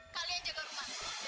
kalian jaga rumah